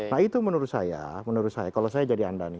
nah itu menurut saya menurut saya kalau saya jadi anda nih